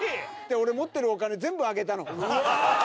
俺、持っているお金全部あげたの。